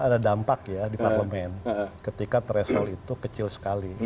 ada dampak ya di parlemen ketika threshold itu kecil sekali